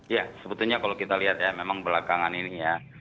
ya sebetulnya kalau kita lihat ya memang belakangan ini ya